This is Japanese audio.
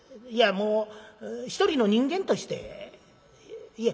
もう一人の人間としていえ